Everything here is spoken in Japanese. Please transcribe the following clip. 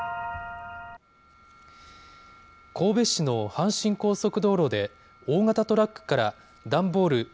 神戸市の阪神高速道路で、大型トラックから段ボール